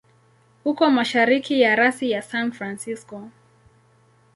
Uko mashariki ya rasi ya San Francisco.